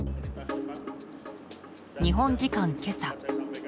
日本時間今朝。